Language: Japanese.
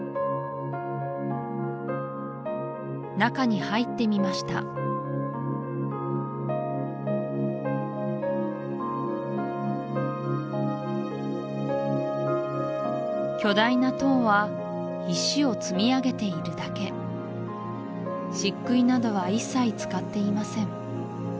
中に入ってみました巨大な塔は石を積み上げているだけ漆喰などは一切使っていません